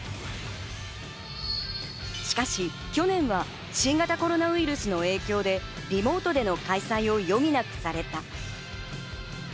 しかし去年は新型コロナウイルスの影響でリモートでの開催を余儀なくされた。